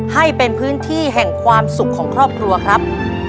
ให้เป็นพื้นที่แห่งความสุขของครอบครัวครับ